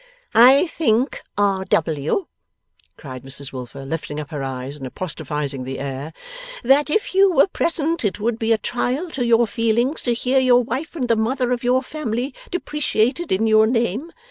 'I think, R.W.,' cried Mrs Wilfer, lifting up her eyes and apostrophising the air, 'that if you were present, it would be a trial to your feelings to hear your wife and the mother of your family depreciated in your name.